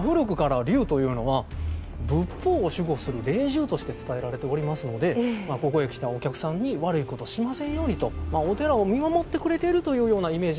古くから龍というのは仏法を守護する霊獣として伝えられておりますのでここへ来たお客さんに悪いことしませんようにとお寺を見守ってくれているというようなイメージで描かれたんですね。